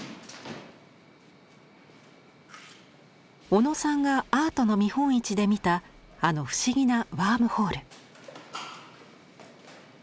小野さんがアートの見本市で見たあの不思議な「ＷＯＲＭＨＯＬＥ」。